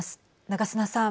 長砂さん。